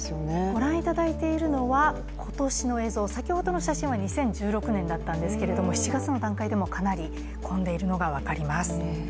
ご覧いただいているのは今年の映像先ほどの写真は２０１６年だったんですけれども７月の段階でもかなり混んでいるのが分かります。